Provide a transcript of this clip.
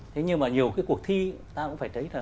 thế nhưng mà nhiều cái cuộc thi ta cũng phải thấy là